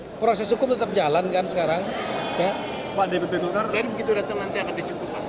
sampai saat ini kita periksa kemarin pun dipanggilkan sebagai saksi